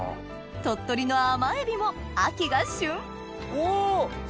鳥取の甘エビも秋が旬おすごい！